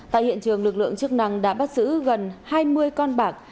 tại hiện trường lực lượng chức năng đã bắt giữ gần hai mươi con bạc